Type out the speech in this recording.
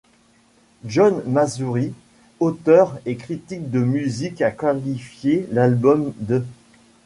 John Masouri, auteur et critique de musique a qualifié l’album d'.